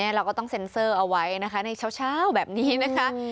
เราก็ต้องเซ็นเซอร์เอาไว้นะคะในเช้าแบบนี้นะคะ